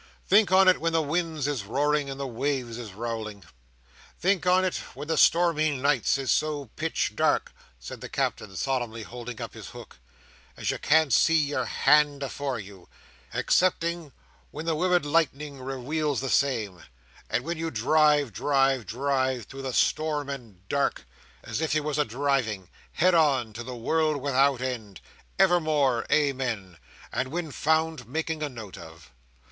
Think on it when the winds is roaring and the waves is rowling. Think on it when the stormy nights is so pitch dark," said the Captain, solemnly holding up his hook, "as you can't see your hand afore you, excepting when the wiwid lightning reweals the same; and when you drive, drive, drive through the storm and dark, as if you was a driving, head on, to the world without end, evermore, amen, and when found making a note of.